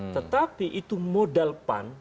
tetapi itu modal pan